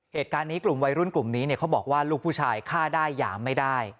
เหตุการณ์นี้กลุ่มวัยรุ่นกลุ่มนี้เขาบอกว่าลูกผู้ชายฆ่าได้หยามไม่ได้